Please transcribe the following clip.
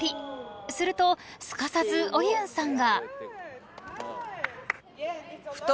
［するとすかさずオユンさんが］